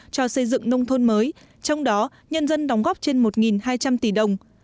cho xây dựng nông thôn mới trong đó nhân dân đóng góp trên một hai trăm linh tỷ đồng